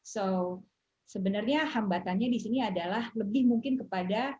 so sebenarnya hambatannya di sini adalah lebih mungkin kepada